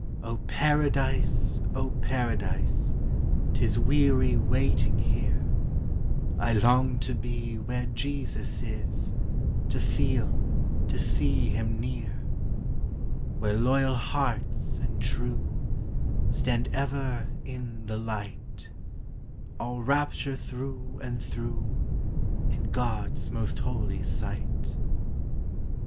O Paradise, O Paradise, 'Tis weary waiting here; I long to be where Jesus is, To feel, to see him near; Where loyal hearts and true Stand ever in the light, All rapture through and through, In God's most holy sight.